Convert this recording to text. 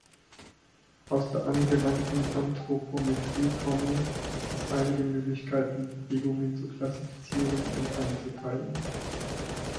Aus der angewandten Anthropometrie kommend, gibt es einige Möglichkeiten, Bewegungen zu klassifizieren und einzuteilen.